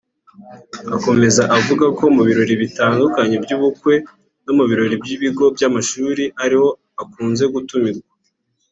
Akomeza avuga ko mu birori bitandukanye by’ubukwe no mu birori by’ibigo by’amashuri ariho akunze gutumirwa